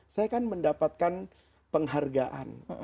saya akan mendapatkan penghargaan